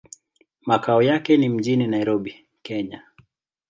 Makao yake ni mjini Nairobi, Kenya.